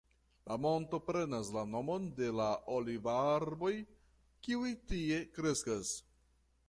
La monto prenas la nomon de la olivarboj kiuj tie kreskas.